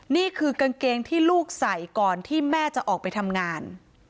นี่คือกางเกงที่ลูกใส่ก่อนที่แม่จะออกไปทำงาน